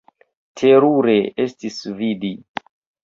Terure estis vidi!